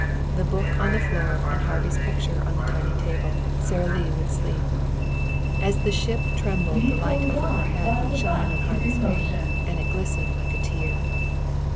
The book on the floor and Harvey's picture on the tiny table, Sara Lee would sleep. And as the ship trembled the light over her head would shine on Harvey's ring, and it glistened like a tear.